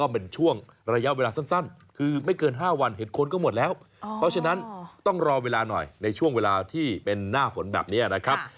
เพราะฉะนั้นต้องรอเวลาหน่อยในช่วงเวลาที่เป็นหน้าฝนแบบเนี้ยนะครับ